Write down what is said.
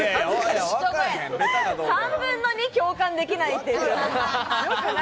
３分の２、共感できないっていう。